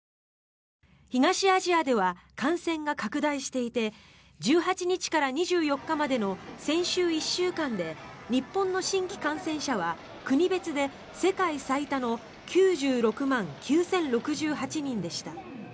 東アジアでは感染が拡大していて１８日から２４日までの先週１週間で日本の新規感染者は国別で世界最多の９６万９０６８人でした。